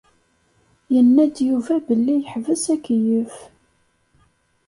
Yenna-d Yuba belli yeḥbes akeyyef.